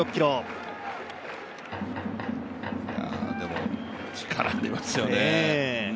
でも、力、ありますよね。